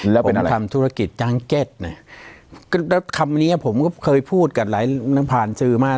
แล้วเป็นอะไรผมทำธุรกิจจ้างเก็บเนี่ยคำเนี้ยผมก็เคยพูดกันหลายนักผ่านซื้อมาก